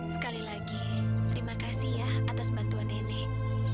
sekali lagi terima kasih ya atas bantuan nenek